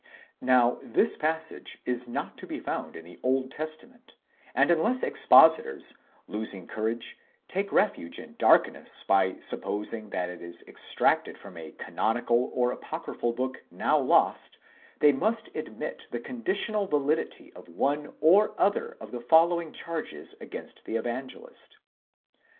Now this passage is not to be found in the Old Testament, and unless expositors, losing courage, take refuge in darkness by supposing that it is extracted from a canonical or apocryphal*® book now lost, they must admit the conditional validity of one or other of the following charges against the evangelist.